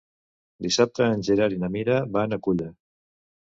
Dissabte en Gerard i na Mira van a Culla.